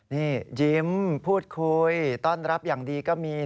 นี่ยิ้มพูดคุยต้อนรับอย่างดีก็มี